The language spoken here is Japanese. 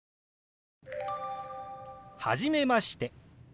「初めまして」。